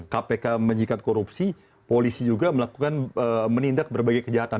kpk menjikat korupsi polisi juga melakukan menindak berbagai kejahatan